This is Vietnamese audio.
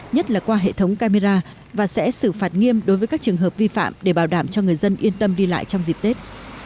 nhất là qua hệ thống camera và sẽ xử phạt nghiêm đối với các trường hợp vi phạm để bảo đảm cho người dân yên tâm đi lại trong dịp tết